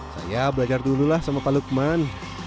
saya belajar dululah sama pak lukman